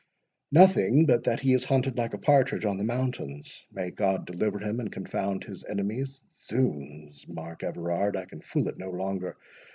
"Nothing but that he is hunted like a partridge on the mountains. May God deliver him, and confound his enemies!—Zoons, Mark Everard, I can fool it no longer.